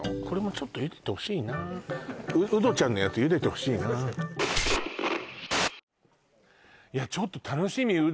これもちょっとゆでてほしいなウドちゃんのやつゆでてほしいないやちょっと楽しみ